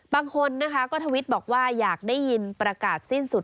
บางคนนะคะก็ทวิตบอกว่าอยากได้ยินประกาศสิ้นสุด